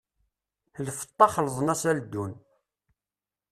Lfeṭṭa xelḍen-as aldun!